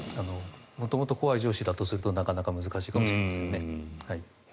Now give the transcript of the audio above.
元々、怖い上司だとするとなかなか難しいかもしれないです。